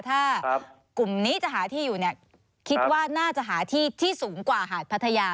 ถ้ากลุ่มนี้จะหาที่อยู่เนี่ยคิดว่าน่าจะหาที่ที่สูงกว่าหาดพัทยา